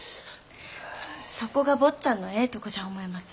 そこが坊ちゃんのええとこじゃ思います。